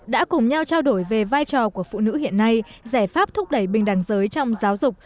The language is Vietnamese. đã cùng nhau trao đổi về vai trò của phụ nữ hiện nay giải pháp thúc đẩy bình đẳng giới trong giáo dục